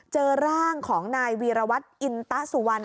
เจอร่างของนายวีรวัตรอินตะสุวรรณ